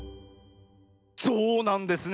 ゾウなんですね。